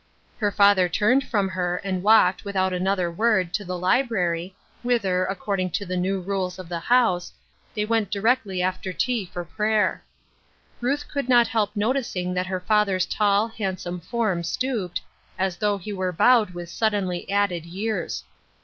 Her father turned from her, and walked, with out another word, to the library, whither, accord ing to the new rules of the house, they went directly after tea, for prayer. Ruth could not help noticing that her father's tall, handsome form stooped, as though he were bowed with suddenly added years.